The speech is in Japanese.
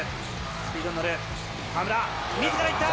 スピードに乗る、河村、みずから行った！